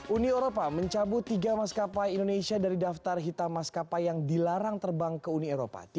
uni eropa mencabut tiga maskapai indonesia dari daftar hitam maskapai yang dilarang terbang ke uni eropa